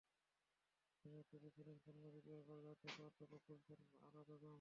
বিশেষ অতিথি ছিলেন খুলনা বিএল কলেজের অধ্যক্ষ অধ্যাপক গুলশান আরা বেগম।